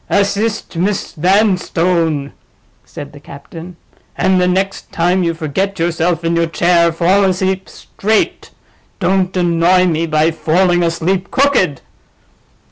"Assist Miss Vanstone," said the captain. "And the next time you forget yourself in your chair, fall asleep straight—don't annoy me by falling asleep crooked."